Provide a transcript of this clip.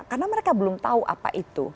karena mereka belum tahu apa itu